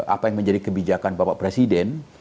apa yang menjadi kebijakan bapak presiden